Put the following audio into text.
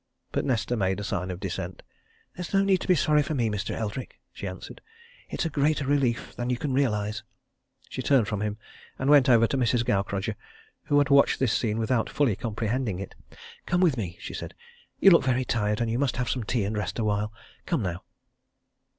But Nesta made a sign of dissent. "There's no need to be sorry for me, Mr. Eldrick," she answered. "It's a greater relief than you can realize." She turned from him and went over to Mrs. Gaukrodger who had watched this scene without fully comprehending it. "Come with me," she said. "You look very tired and you must have some tea and rest awhile come now."